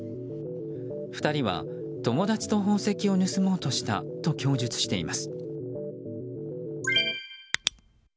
２人は友達と宝石を盗もうとしたと供述しています。